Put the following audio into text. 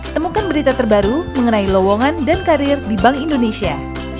temukan berita terbaru mengenai lowongan dan karir di bank indonesia